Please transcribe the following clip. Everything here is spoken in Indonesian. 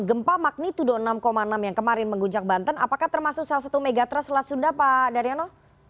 gempa maknitudon enam enam yang kemarin mengguncang banten apakah termasuk salah satu megatras telah sudah pak daryono